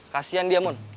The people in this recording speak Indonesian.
kasian dia mon